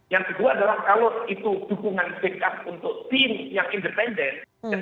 yang kedua adalah kalau itu dukungan backup untuk tim yang independen